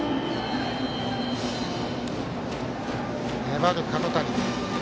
粘る角谷。